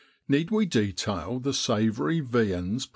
Need we detail the savoury viands presented